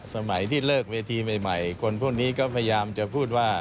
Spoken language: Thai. สมัยที่เลิกเวทีใหม่คนพวกนี้ก็พยายามจะพูดว่า